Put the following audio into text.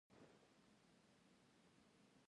تاریخ د ژوند تجربې ثبتوي.